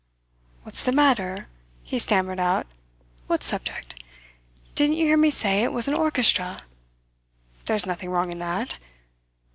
"What's the matter?" he stammered out. "What subject? Didn't you hear me say it was an orchestra? There's nothing wrong in that.